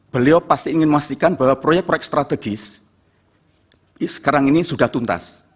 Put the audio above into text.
beliau pasti ingin memastikan bahwa proyek proyek strategis sekarang ini sudah tuntas